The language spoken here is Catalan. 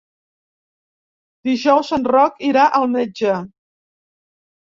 Dijous en Roc irà al metge.